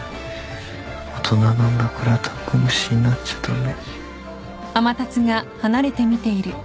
大人なんだからダンゴ虫になっちゃ駄目。